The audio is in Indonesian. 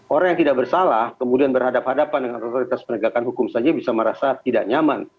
orang yang tidak bersalah kemudian berhadapan hadapan dengan otoritas penegakan hukum saja bisa merasa tidak nyaman